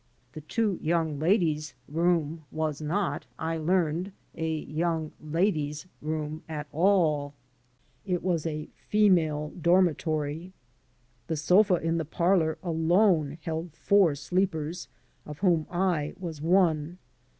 The two young ladies' room was not, I learned, a young ladies' room at all; it was a female dormitory. The sofa in the parlor alone held four sleepers, of whom I was one.